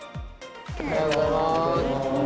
おはようございます。